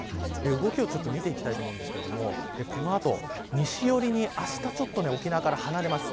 動きを見ていきますがこの後、西寄りにあしたはちょっと沖縄から離れます。